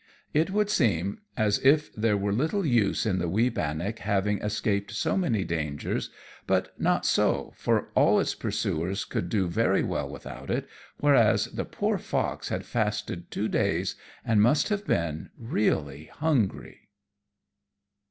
It would seem as if there were little use in the wee bannock having escaped so many dangers, but not so, for all its pursuers could do very well without it, whereas the poor fox had fasted two days and must have been really hungry.